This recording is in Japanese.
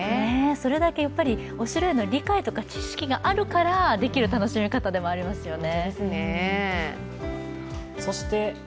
それだけお城への理解や知識があるからできる楽しみ方でもありますよね。